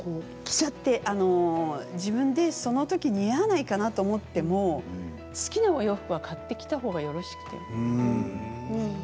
着ちゃって、自分でそのとき似合わないかなって思っても好きなお洋服は買ってきたほうがよろしくてよ。